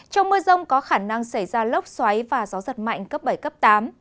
trong mưa rông có khả năng xảy ra lốc xoáy và gió giật mạnh cấp bảy cấp tám